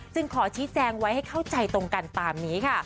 ขอชี้แจงไว้ให้เข้าใจตรงกันตามนี้ค่ะ